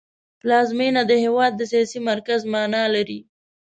پلازمېنه د هېواد د سیاسي مرکز مانا لري